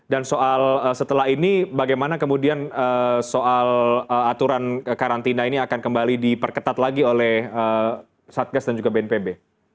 dan soal setelah ini bagaimana kemudian soal aturan karantina ini akan kembali diperketat lagi oleh satgas dan juga bnpb